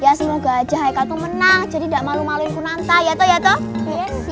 ya semoga aja menang jadi enggak malu maluin kunanta ya toh ya toh